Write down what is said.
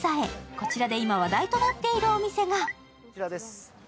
こちらで今、話題となっているお店がこちらです。